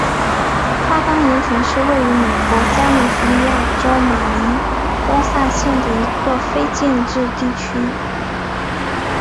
花岗岩泉是位于美国加利福尼亚州马里波萨县的一个非建制地区。